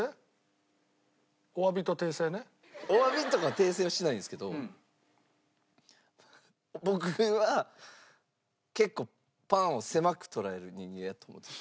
お詫びとか訂正はしないんですけど僕は結構パンを狭く捉える人間やと。